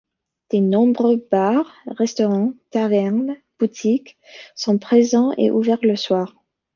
De nombreux bars, restaurants, tavernes, boutiques sont présents et ouverts le soir.